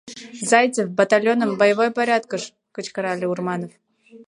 — Зайцев, батальоным — боевой порядкыш! — кычкырале Урманов.